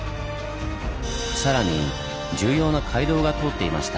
更に重要な街道が通っていました。